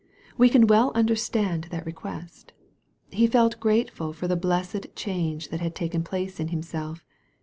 We can well understand that re quest. He felt grateful for the blessed change that had taken place in himself.